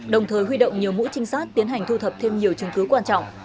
đồng thời huy động nhiều mũi trinh sát tiến hành thu thập thêm nhiều chứng cứ quan trọng